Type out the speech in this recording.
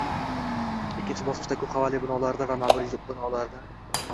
Ikkinchi bosqichda - ko'p qavatli binolarda va ma'muriy binolarda